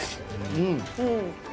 うん！